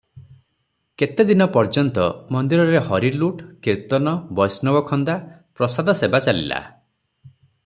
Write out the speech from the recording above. କେତେ ଦିନ ପର୍ଯ୍ୟନ୍ତ ମନ୍ଦିରରେ ହରିଲୁଟ, କୀର୍ତ୍ତନ, ବୈଷ୍ଣବଖନ୍ଦା, ପ୍ରସାଦ ସେବା ଚାଲିଲା ।